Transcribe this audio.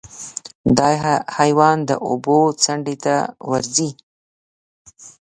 دا حیوان د اوبو څنډې ته ورځي.